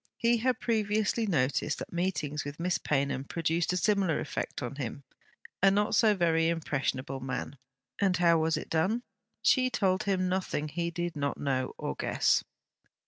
He had previously noticed that meetings with Miss Paynham produced a similar effect on him, a not so very impressionable man. And how was it done? She told him nothing he did not know or guess.